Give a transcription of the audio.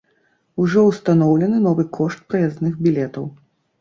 Ужо ўстаноўлены новы кошт праязных білетаў.